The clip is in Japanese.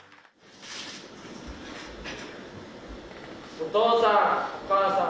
お父さんお母さん